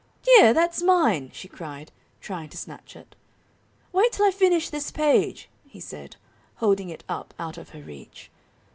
"Here! that's mine," she cried, trying to snatch it. "Wait till I finish this page," he said, holding it up out of her reach.